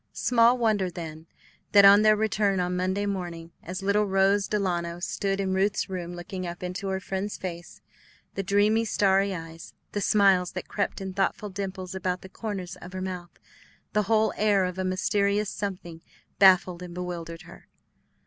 Small wonder, then, that on their return on Monday morning, as little Rose Delano stood in Ruth's room looking up into her friend's face, the dreamy, starry eyes, the smiles that crept in thoughtful dimples about the corners of her mouth, the whole air of a mysterious something, baffled and bewildered her.